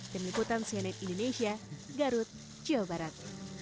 dengikutan sianet indonesia garut jawa barat